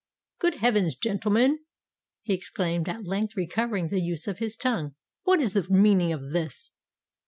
"Good heavens! gentlemen," he exclaimed, at length recovering the use of his tongue: "what is the meaning of this?"